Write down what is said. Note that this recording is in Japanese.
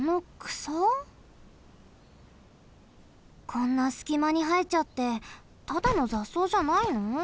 こんなすきまにはえちゃってただのざっそうじゃないの？